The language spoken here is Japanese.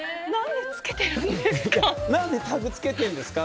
何でタグつけてるんですか？